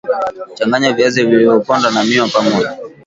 changanya viazi vilivyopondwa na mziwa pamoja